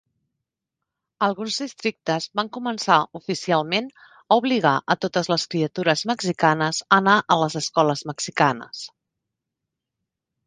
Alguns districtes van començar oficialment a obligar a totes les criatures mexicanes a anar a les escoles mexicanes.